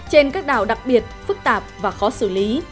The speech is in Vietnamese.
trên các đảo đặc biệt phức tạp và khó xử lý